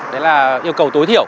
đấy là yêu cầu tối thiểu